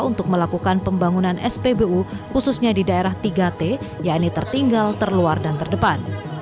untuk melakukan pembangunan spbu khususnya di daerah tiga t yaitu tertinggal terluar dan terdepan